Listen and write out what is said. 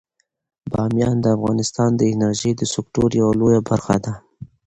بامیان د افغانستان د انرژۍ د سکتور یوه لویه برخه ده.